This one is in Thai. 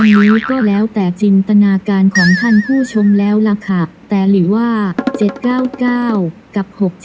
อันนี้ก็แล้วแต่จินตนาการของท่านผู้ชมแล้วล่ะค่ะแต่หรือว่า๗๙๙กับ๖๗